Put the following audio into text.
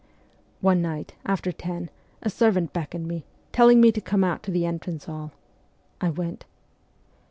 One night, after ten, a servant beckoned me, telling me to come out to the entrance hall. I went.